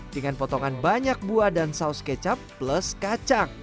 dengan potongan banyak buah dan saus kecap plus kacang